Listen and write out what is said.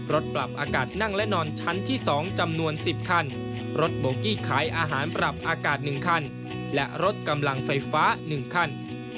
ปรับอากาศนั่งและนอนชั้นที่๒จำนวน๑๐คันรถโบกี้ขายอาหารปรับอากาศ๑คันและรถกำลังไฟฟ้า๑คัน